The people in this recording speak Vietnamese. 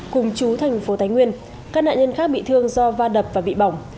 cùng chú thành phố thái nguyên các nạn nhân khác bị thương do va đập và bị bỏng